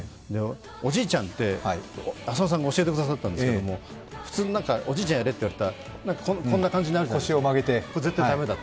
おじいちゃんって、浅野さんが教えてくださったんですけど普通、おじいちゃんやれって言われたらこんな感じになるじゃないですか、腰を曲げて。